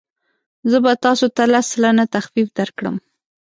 زه به تاسو ته لس سلنه تخفیف درکړم.